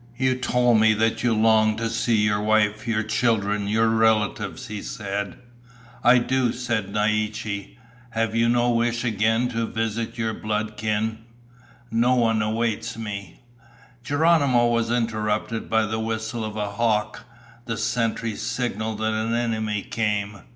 "You told me that you long to see your wife, your children, your relatives," he said. "I do," said Naiche. "Have you no wish again to visit your blood kin?" "No one awaits me " Geronimo was interrupted by the whistle of a hawk, the sentry's signal that an enemy came.